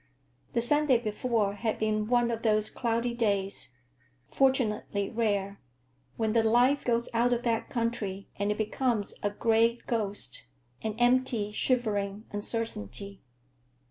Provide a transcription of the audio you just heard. The Sunday before had been one of those cloudy days—fortunately rare—when the life goes out of that country and it becomes a gray ghost, an empty, shivering uncertainty.